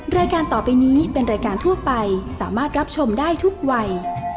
รายการต่อไปนี้เป็นรายการทั่วไปสามารถรับชมได้ทุกวัย